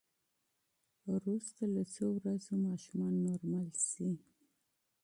وروسته له څو ورځو ماشومان نورمال شي.